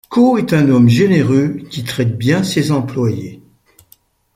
Caux est un homme généreux qui traite bien ses employés.